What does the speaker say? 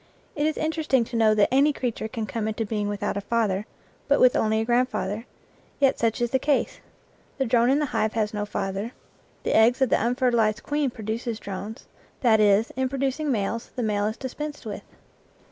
It is interesting to know that any creature can come into being without a father, but with only a grandfather, yet such is the case. The drone in the hive has no father; the 75 IN FIELD AND WOOD eggs of the unfertilized queen produce drones that is, in producing males, the male is dispensed with.